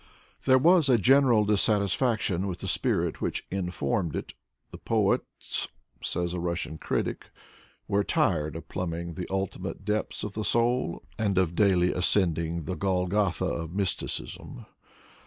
There was a general dissatisfaction with the spirit which informed it. The poets, says a Russian critic, were tired of plumbing the ultimate depths of the soul, and of daily ascending the Golgotha of m3rs* ticism.